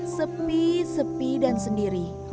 sepi sepi dan sendiri